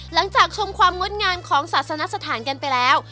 ชมความงดงามของศาสนสถานกันไปแล้ว